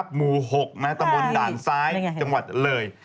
หมู่๖ตำบลด่านซ้ายจังหวัดเลย